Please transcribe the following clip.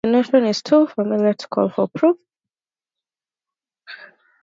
The notion is too familiar to call for proof.